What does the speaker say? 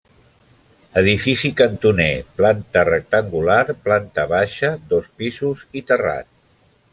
Edifici cantoner, planta rectangular, planta baixa, dos pisos i terrat.